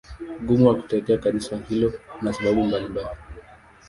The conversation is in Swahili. Ugumu wa kutetea Kanisa hilo una sababu mbalimbali.